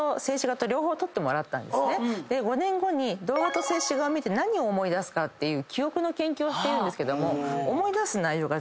５年後に動画と静止画を見て何を思い出すかっていう記憶の研究をしているんですけども。